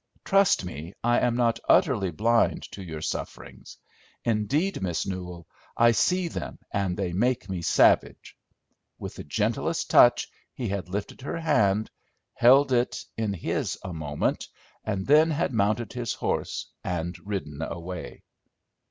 Trust me, I am not utterly blind to your sufferings. Indeed, Miss Newell, I see them, and they make me savage!" With the gentlest touch he had lifted her hand, held it in his a moment, and then had mounted his horse and ridden away.